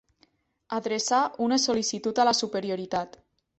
Adreçar una sol·licitud a la superioritat.